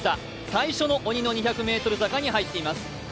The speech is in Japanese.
最初の鬼の２００ｍ坂に入ってきました。